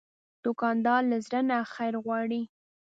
دوکاندار له زړه نه خیر غواړي.